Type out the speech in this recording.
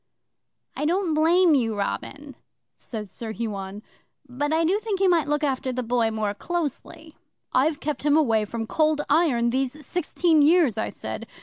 '"I don't blame you, Robin," says Sir Huon, "but I do think you might look after the Boy more closely." '"I've kept him away from Cold Iron these sixteen years," I said.